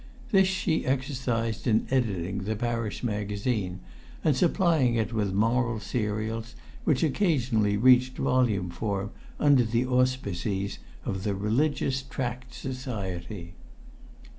This she exercised in editing the Parish Magazine, and supplying it with moral serials which occasionally reached volume form under the auspices of the Religious Tract Society.